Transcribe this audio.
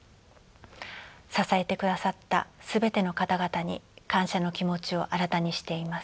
支えてくださった全ての方々に感謝の気持ちを新たにしています。